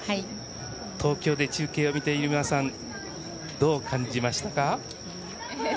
東京で中継を見ている皆さんどう感じましたか？